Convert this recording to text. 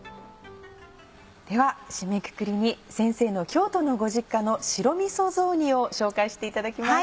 では締めくくりに先生の京都のご実家の白みそ雑煮を紹介していただきます。